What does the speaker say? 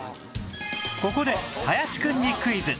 ここで林くんにクイズ